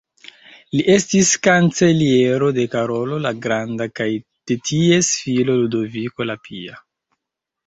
Li estis kanceliero de Karolo la Granda kaj de ties filo Ludoviko la Pia.